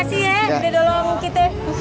makasih ya udah nolong kita